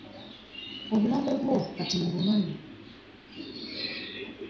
Obulabe bwo kati mbumanyi.